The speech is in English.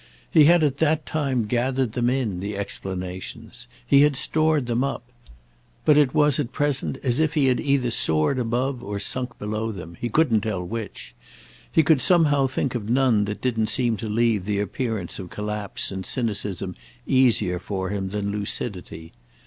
He had at that time gathered them in, the explanations—he had stored them up; but it was at present as if he had either soared above or sunk below them—he couldn't tell which; he could somehow think of none that didn't seem to leave the appearance of collapse and cynicism easier for him than lucidity.